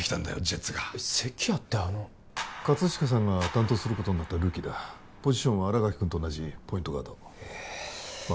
ジェッツが関谷ってあの葛飾さんが担当することになったルーキーだポジションは新垣君と同じポイントガードええま